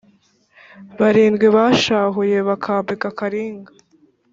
barindwi bashahuye bakambika karinga